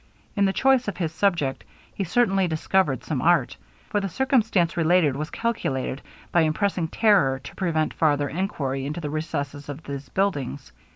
In the choice of his subject, he certainly discovered some art; for the circumstance related was calculated, by impressing terror, to prevent farther enquiry into the recesses of these buildings.